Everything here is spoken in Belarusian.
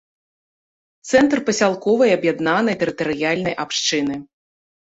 Цэнтр пасялковай аб'яднанай тэрытарыяльнай абшчыны.